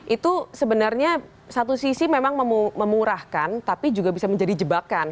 itu sebenarnya satu sisi memang memurahkan tapi juga bisa menjadi jebakan